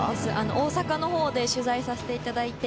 大阪のほうで取材させていただいて。